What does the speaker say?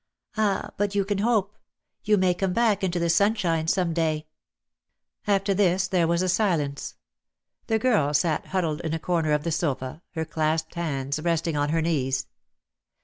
"Ah, but you can hope. You may come back into the sunshine some day." After this there was a silence. The girl sat huddled in a corner of the sofa, her clasped hands resting on her knees.